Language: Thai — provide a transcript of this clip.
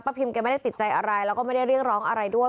พิมแกไม่ได้ติดใจอะไรแล้วก็ไม่ได้เรียกร้องอะไรด้วย